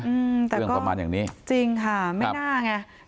อืมแต่เรื่องประมาณอย่างนี้จริงค่ะไม่น่าไง